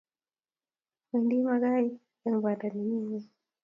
Wendi makaita eng banda nemi ngweny